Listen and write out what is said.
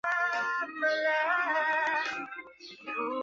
金唱片或金唱片奖项是根据一张唱片的销量而颁授的一个奖项。